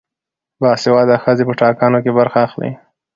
باسواده ښځې په ټاکنو کې برخه اخلي.